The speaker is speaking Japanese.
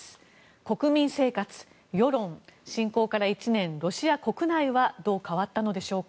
国民生活、世論、侵攻から１年ロシア国内はどう変わったのでしょうか。